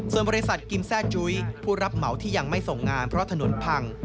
ส่วนบริษัทกิมแซ่จุ้ยผู้รับเหมาที่ยังไม่ส่งงานเพราะถนนพัง